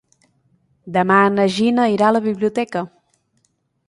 Demà na Gina irà a la biblioteca.